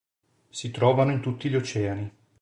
Si trovano in tutti gli oceani.